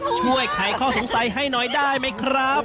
ไขข้อสงสัยให้หน่อยได้ไหมครับ